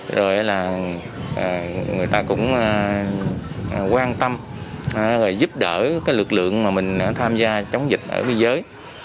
rồi là người ta cũng quan tâm rồi giúp đỡ cái lực lượng mà mình tham gia chống dịch ở biên giới